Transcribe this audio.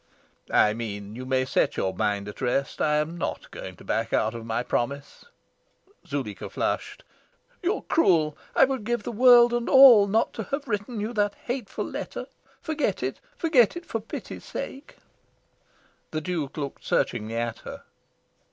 "I mean you may set your mind at rest. I am not going to back out of my promise." Zuleika flushed. "You are cruel. I would give the world and all not to have written you that hateful letter. Forget it, forget it, for pity's sake!" The Duke looked searchingly at her.